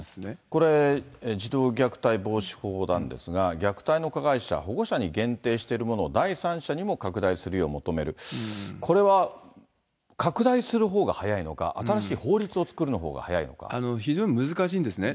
これ、児童虐待防止法なんですが、虐待の加害者、保護者に限定してるものを第三者にも拡大するよう求める、これは拡大するほうが早いのか、非常に難しいんですね。